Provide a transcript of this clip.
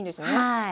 はい。